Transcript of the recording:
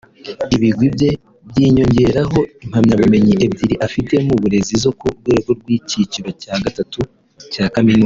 Ibigwi bye byiyongeraho impamyabumenyi ebyiri afite mu burezi zo ku rwego rw’icyiciro cya gatatu cya Kaminuza